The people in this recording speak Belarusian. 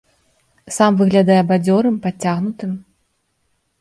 Сам выглядае бадзёрым, падцягнутым.